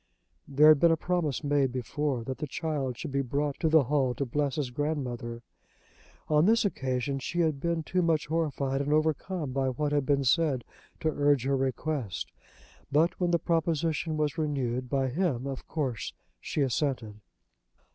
There had been a promise made before that the child should be brought to the hall to bless his grandmother. On this occasion she had been too much horrified and overcome by what had been said to urge her request; but when the proposition was renewed by him of course she assented.